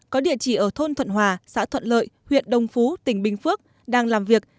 có địa chỉ ở thôn thuận hòa xã thuận lợi huyện đồng phú tỉnh bình phước đang làm việc